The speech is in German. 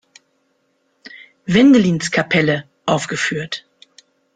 Wendelinskapelle“ aufgeführt.